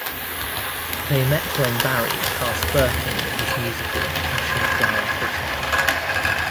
They met when Barry cast Birkin in his musical Passion Flower Hotel.